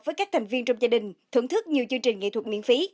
riêng trong gia đình thưởng thức nhiều chương trình nghệ thuật miễn phí